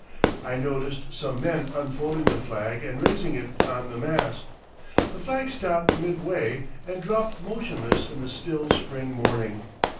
I noticed some men unfolding the flag and raising it on the mast. The flag stopped mid way and dropped motionless in the still spring morning.